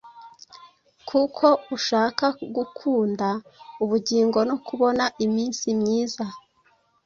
Kuko ushaka gukunda ubugingo no kubona iminsi myiza